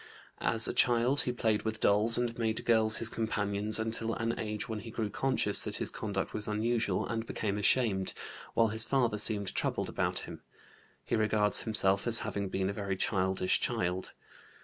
As a child he played with dolls and made girls his companions until an age when he grew conscious that his conduct was unusual and became ashamed, while his father seemed troubled about him. He regards himself as having been a very childish child.